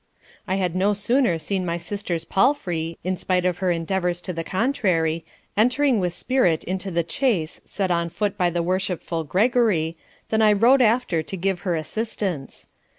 'I had no sooner seen my sister's palfrey, in spite of her endeavours to the contrary, entering with spirit into the chase set on foot by the worshipful Gregory, than I rode after to give her assistance.